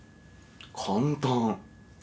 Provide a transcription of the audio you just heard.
簡単。